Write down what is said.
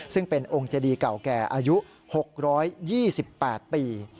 ซึ่งเป็นองค์เจดีเก่าแก่อายุ๖๒๘ปี